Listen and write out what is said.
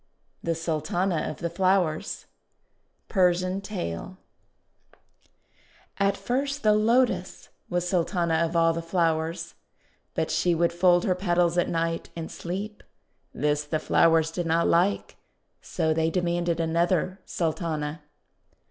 THE SULTANA OF THE FLOWERS Persian Tale AT first the Lotus was Sultana of all the flowers, But she would fold her petals at night, and sleep. This the flowers did not like, so they demanded another Sultana.